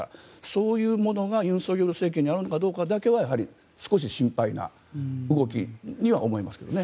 そういうものが尹錫悦政権にあるのかどうかだけはやはり少し心配な動きには思えますけどね。